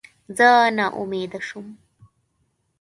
زه ناامیده شوم.